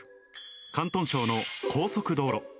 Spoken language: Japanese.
広東省の高速道路。